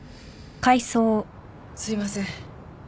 すいません